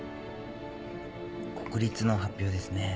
国立の発表ですね。